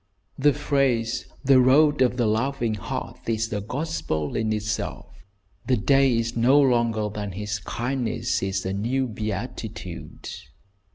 The phrase, "The Road of the Loving Heart," is a gospel in itself. "The day is not longer than his kindness" is a new beatitude.